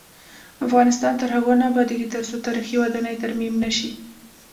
افغانستان تر هغو نه ابادیږي، ترڅو تاریخي ودانۍ ترمیم نشي.